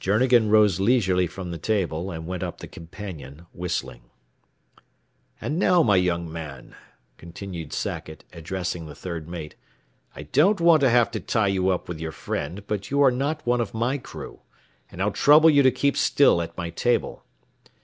Journegan rose leisurely from the table and went up the companion, whistling. "And now, my young man," continued Sackett, addressing the third mate, "I don't want to have to tie you up with your friend, but you are not one of my crew, and I'll trouble you to keep still at my table.